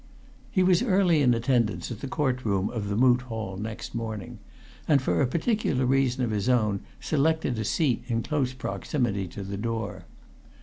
He was early in attendance at the court room of the Moot Hall next morning, and for a particular reason of his own selected a seat in close proximity to the door.